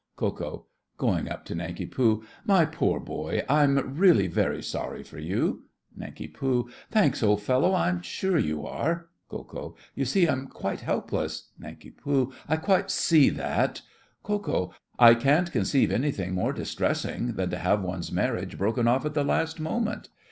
KO. (going up to Nanki Poo). My poor boy, I'm really very sorry for you. NANK. Thanks, old fellow. I'm sure you are. KO. You see I'm quite helpless. NANK. I quite see that. KO. I can't conceive anything more distressing than to have one's marriage broken off at the last moment.